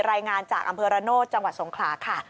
รายงานจากอำเภอระโนธจังหวัดสงขลาค่ะ